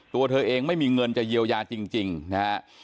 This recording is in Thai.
ตัวเธอเองไม่มีเงินจะเยียวยาจริงนะฮะ